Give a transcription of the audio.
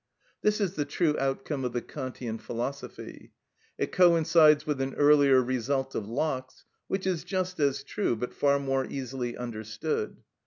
This is the true outcome of the Kantian philosophy. It coincides with an earlier result of Locke's, which is just as true, but far more easily understood.